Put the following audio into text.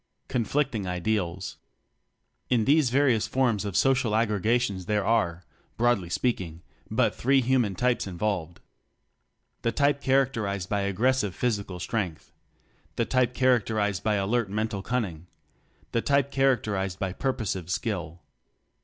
Conflicting Ideals. In these various forms of social ag gregations there are, broadly speak ing, but three human types involved: The type characterized by aggres sive physical strength; the type char acterized by alert mental cunning; the type characterized by purposive skill.